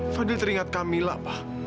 fadil teringat kamila pak